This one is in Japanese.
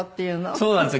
そうなんですよ。